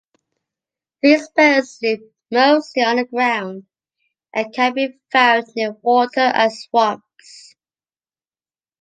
These birds live mostly on the ground and can be found near water and swamps.